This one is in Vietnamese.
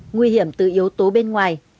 nguy hiểm từ yếu tố bên ngoài